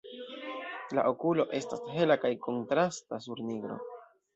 La okulo estas hela kaj kontrasta sur nigro.